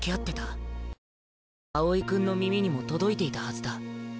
青井君の耳にも届いていたはずだ。